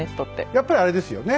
やっぱりあれですよね